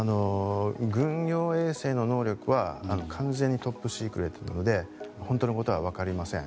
軍用衛星の能力は完全にトップシークレットなので本当のことは分かりません。